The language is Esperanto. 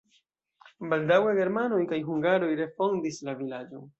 Baldaŭe germanoj kaj hungaroj refondis la vilaĝon.